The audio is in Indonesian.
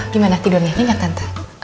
gimana tidurnya nyenyak tante